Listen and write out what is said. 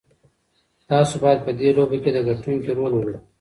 تاسو بايد په دې لوبه کې د ګټونکي رول ولوبوئ.